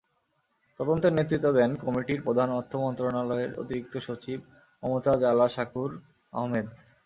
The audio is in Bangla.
তদন্তের নেতৃত্ব দেন কমিটির প্রধান অর্থ মন্ত্রণালয়ের অতিরিক্ত সচিব মমতাজ আলা শাকুর আহমেদ।